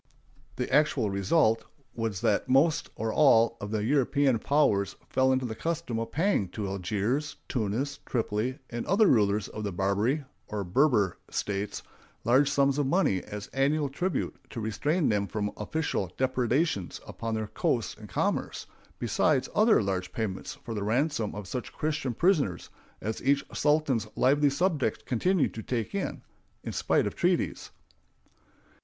The actual result was that most or all of the European powers fell into the custom of paying to Algiers, Tunis, Tripoli, and other rulers of the Barbary (or Berber) States large sums of money as annual tribute to restrain them from official depredations upon their coasts and commerce, besides other large payments for the ransom of such Christian prisoners as each sultan's lively subjects continued to take in spite of treaties.